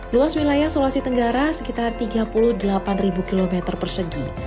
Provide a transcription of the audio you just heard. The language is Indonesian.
luas wilayah sulawesi tenggara sekitar tiga puluh delapan km persegi